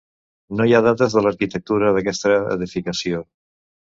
No hi ha dates de l'arquitectura d'aquesta edificació.